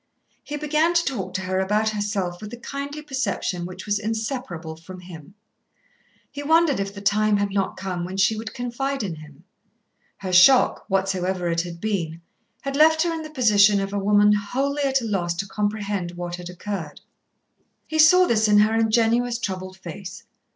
He began to talk to her about herself with the kindly perception which was inseparable from him. He wondered if the time had not come when she would confide in him. Her shock, whatsoever it had been, had left her in the position of a woman wholly at a loss to comprehend what had occurred. He saw this in her ingenuous troubled face.